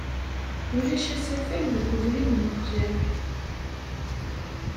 Ulac asafag deg ubrid n uqlaɛ.